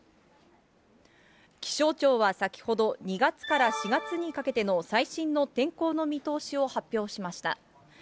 気象庁は先ほど、２月から４月にかけての最新の天候の見通しを発表しました。